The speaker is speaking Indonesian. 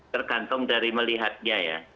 tergantung dari melihatnya ya